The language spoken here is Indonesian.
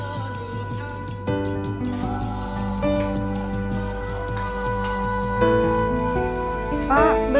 kakung aku punya hadiah buat kakung